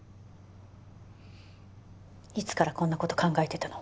いつからこんな事を考えてたの？